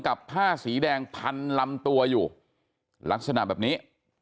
กับผ้าสีแดงพันลำตัวอยู่ลักษณะแบบนี้